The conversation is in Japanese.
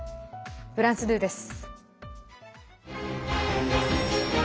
フランス２です。